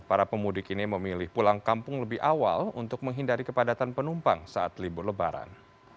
para pemudik ini memilih pulang kampung lebih awal untuk menghindari kepadatan penumpang saat libur lebaran